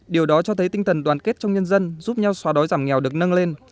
điều đó cho thấy tinh thần đoàn kết trong nhân dân giúp nhau xóa đói giảm nghèo được nâng lên